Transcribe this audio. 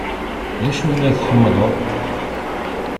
D acu ay tḥemmleḍ?